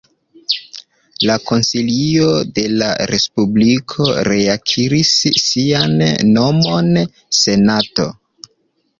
La Konsilio de la Respubliko reakiris sian nomon Senato.